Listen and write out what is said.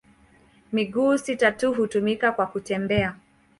Miguu sita tu hutumika kwa kutembea.